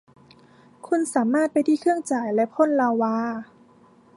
คุณสามารถไปที่เครื่องจ่ายและพ่นลาวา